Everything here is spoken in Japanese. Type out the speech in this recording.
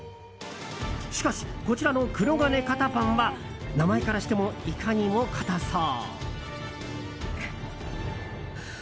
しかし、こちらのくろがね堅パンは名前からしてもいかにもかたそう。